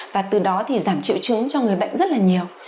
và từ đó thì giảm triệu chứng cho người bệnh rất là nhiều